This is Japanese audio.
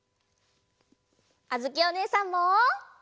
あづきおねえさんも！